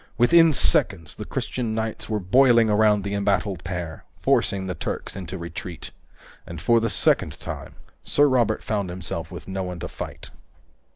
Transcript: Within seconds, the Christian knights were boiling around the embattled pair, forcing the Turks into retreat. And for the second time, Sir Robert found himself with no one to fight.